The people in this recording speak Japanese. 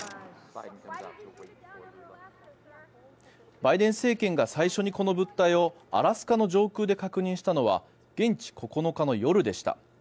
バイデン政権が最初にこの物体をアラスカの上空で確認したのは現地９日の夜でした。